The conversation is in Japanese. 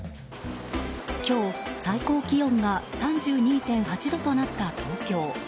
今日、最高気温が３２．８度となった東京。